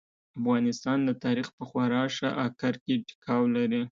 افغانستان د تاريخ په خورا ښه اکر کې ټيکاو لري.